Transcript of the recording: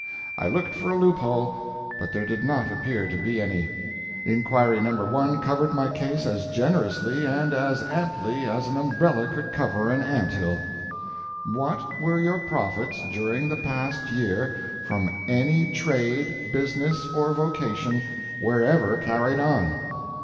I looked for a loophole, but there did not appear to be any. Inquiry No. 1 covered my case as generously and as amply as an umbrella could cover an ant hill: What were your profits, during the past year, from any trade, business, or vocation, wherever carried on?